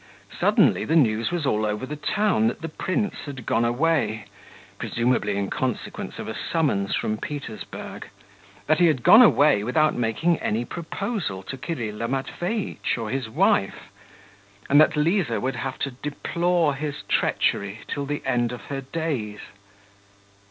Suddenly the news was all over the town that the prince had gone away, presumably in consequence of a summons from Petersburg; that he had gone away without making any proposal to Kirilla Matveitch or his wife, and that Liza would have to deplore his treachery till the end of her days.